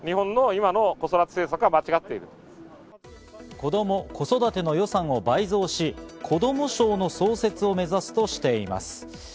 子ども・子育ての予算を倍増しこども省の創設を目指すとしています。